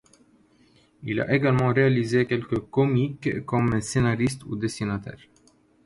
Il a également réalisé quelques comics comme scénariste ou dessinateur.